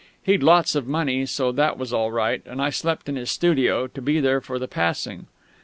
He'd lots of money, so that was all right; and I slept in his studio, to be there for the passing.